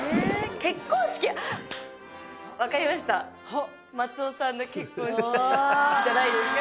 分かりました松尾さんの結婚式じゃないですか？